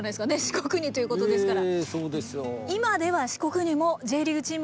四国にということですから。